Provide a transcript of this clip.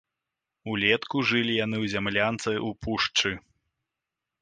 Улетку жылі яны ў зямлянцы ў пушчы.